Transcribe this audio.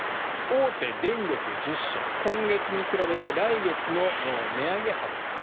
大手電力会社１０社今月に比べて来月の値上げ幅です。